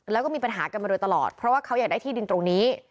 แล้วก็มีปัญหากันมาโดยตลอดเพราะว่าเขาอยากได้ที่ดินตรงนี้